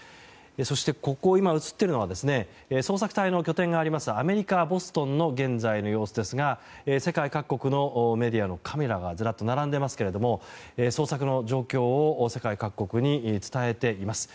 そしてここ、今映っているのは捜索隊の拠点があるアメリカ・ボストンの現在の様子ですが世界各国のメディアのカメラがずらっと並んでいますけども捜索の状況を世界各国に伝えています。